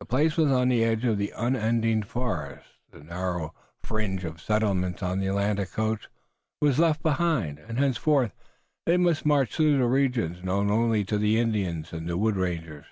The place was on the edge of the unending forest. The narrow fringe of settlements on the Atlantic coast was left behind, and henceforth they must march through regions known only to the Indians and the woods rangers.